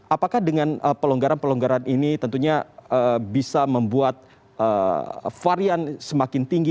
apakah dengan pelonggaran pelonggaran ini tentunya bisa membuat varian semakin tinggi